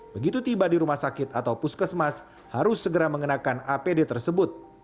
begitu tiba di rumah sakit atau puskesmas harus segera mengenakan apd tersebut